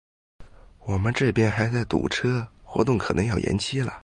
我们这边还在堵车，活动可能要延期了。